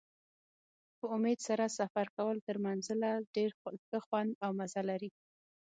په امید سره سفر کول تر منزل ډېر ښه خوند او مزه لري.